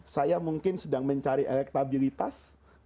saya mungkin sedang mencari elektabilitas